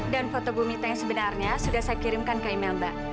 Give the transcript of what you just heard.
dan foto bu mita yang sebenarnya sudah saya kirimkan ke email mbak